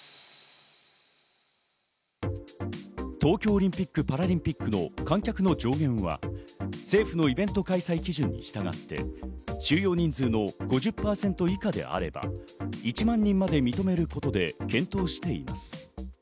東京オリンピック・パラリンピックの観客の上限は政府のイベント開催基準に従って収容人数の５０％以下であれば１万人まで認めることで検討しています。